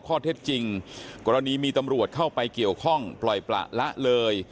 ข้อเท็จจริงกรณีมีตำรวจเข้าไปเกี่ยวข้องปล่อยประละเลย